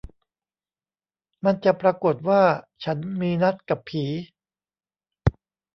มันจะปรากฏว่าฉันมีนัดกับผี